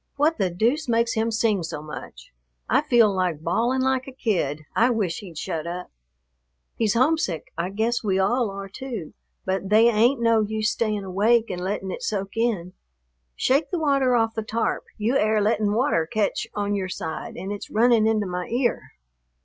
What the deuce makes him sing so much? I feel like bawling like a kid; I wish he'd shut up." "He's homesick; I guess we all are too, but they ain't no use staying awake and letting it soak in. Shake the water off the tarp, you air lettin' water catch on your side an' it's running into my ear."